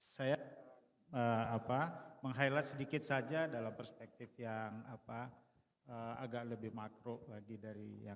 saya meng highlight sedikit saja dalam perspektif yang agak lebih makro lagi dari yang